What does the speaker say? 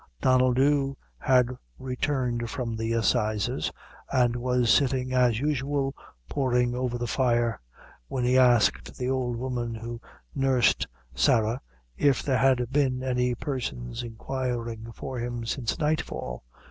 Donnel Dhu had returned from the assizes, and was sitting, as usual, poring over the fire, when he asked the old woman who nursed Sarahif there had been any persons inquiring for him since nightfall.